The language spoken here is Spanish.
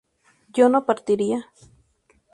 ¿yo no partiría?